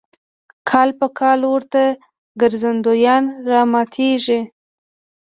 کال په کال ورته ګرځندویان راماتېږي.